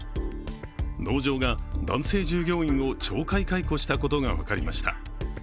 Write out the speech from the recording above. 農場が男性従業員を懲戒解雇したことが分かりました。